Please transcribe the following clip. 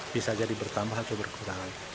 bisa jadi bertambah atau berkurang